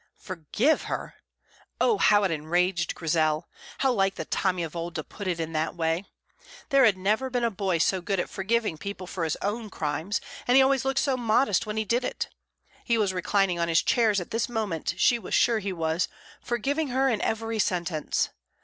Forgive her! Oh, how it enraged Grizel! How like the Tommy of old to put it in that way. There never had been a boy so good at forgiving people for his own crimes, and he always looked so modest when he did it. He was reclining on his chairs at this moment, she was sure he was, forgiving her in every sentence.